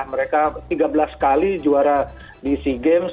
mereka tiga belas kali juara di sea games